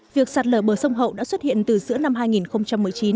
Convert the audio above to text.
việc sạt lở bờ sông hậu đã xuất hiện từ giữa năm hai nghìn một mươi chín